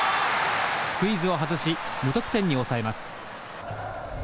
スクイズを外し無得点に抑えます。